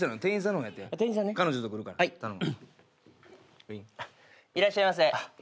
いらっしゃいませ。